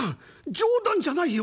冗談じゃないよ。